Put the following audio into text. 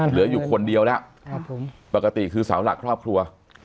เหลืออยู่คนเดียวแล้วปกติคือเสาหลักครอบครัว